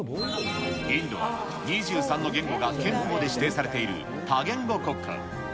インドは、２３の言語が憲法で指定されている多言語国家。